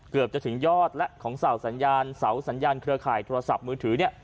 เกือบจะถึงยอดและของเสาสัญญาณเครือข่ายโทรศัพท์มือถือ